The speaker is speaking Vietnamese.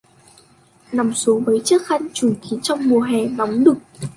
Nằm xuống với chiếc khăn chùm kín trong mùa hè nóng nực